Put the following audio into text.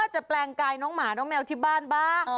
จะแปลงกายน้องหมาน้องแมวที่บ้านบ้าง